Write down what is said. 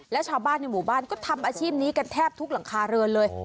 แล้วชาวบ้านในหมู่บ้านก็ทำอาชีพนี้กันแทบทุกหลังคาเรือนเลย